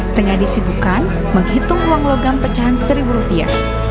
tengah disibukan menghitung uang logam pecahan seribu rupiah